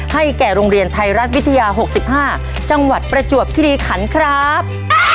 แก่โรงเรียนไทยรัฐวิทยา๖๕จังหวัดประจวบคิริขันครับ